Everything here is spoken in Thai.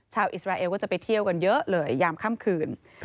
อิสราเอลก็จะไปเที่ยวกันเยอะเลยยามค่ำคืน